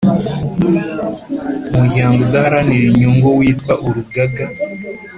Umuryango udaharanira inyungu witwa urugaga